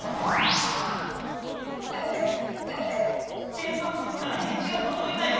ケントくんからへんじがとどいたよ。